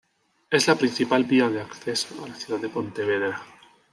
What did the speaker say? Es la principal vía de acceso a la ciudad de Pontevedra.